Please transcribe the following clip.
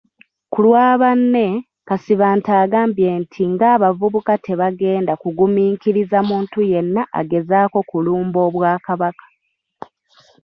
Ku lwa banne, Kasibante agambye nti ng'abavubuka tebagenda kugumiikiriza muntu yenna agezaako kulumba Obwakabaka.